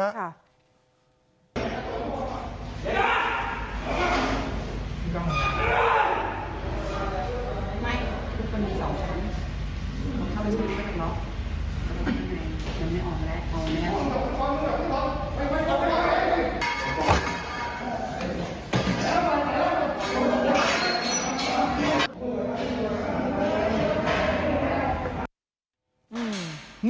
นี่แหละครับคุณผู้ชมครับเป็นเสียงจากพฤติการของนายทีรสักธุ์บุญเรือ